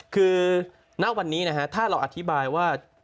คือณวันนี้นะฮะถ้าเราอธิบายว่า